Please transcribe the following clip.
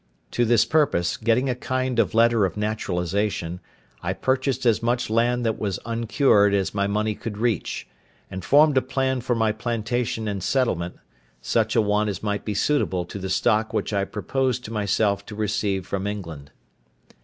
To this purpose, getting a kind of letter of naturalisation, I purchased as much land that was uncured as my money would reach, and formed a plan for my plantation and settlement; such a one as might be suitable to the stock which I proposed to myself to receive from England.